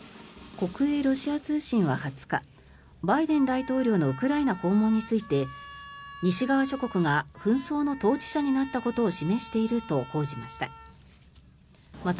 国営ロシア通信は２０日バイデン大統領のウクライナ訪問について西側諸国が紛争の当事者になったことを示していると報じました。